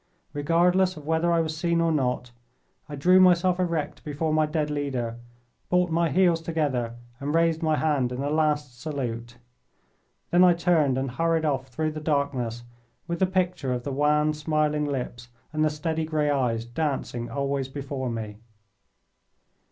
Regardless of whether I was seen or not, I drew myself erect before my dead leader, brought my heels together, and raised my hand in a last salute. Then I turned and hurried off through the darkness, with the picture of the wan, smiling lips and the steady grey eyes dancing always before me.